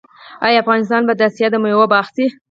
آیا افغانستان به د اسیا د میوو باغ شي؟